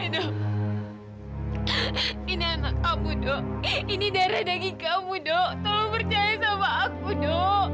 ini anak kamu dok ini darah daging kamu dok tolong percaya sama aku do